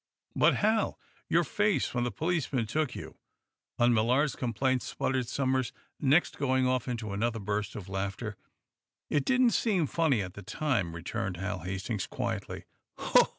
"But, Hal, your face when the policeman took you, on Millard's complaint!" sputtered Somers, next going off into another burst of laughter. "It didn't seem funny, at the time," returned Hal Hastings, quietly.